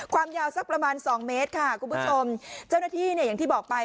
ความยาวสักประมาณสองเมตรค่ะคุณผู้ชมเจ้าหน้าที่เนี่ยอย่างที่บอกไป